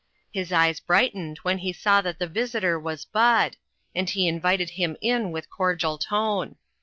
His eyes brightened when he saw that the visitor was Bud, and he invited him in with cordial tone.